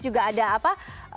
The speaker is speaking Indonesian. juga ada apa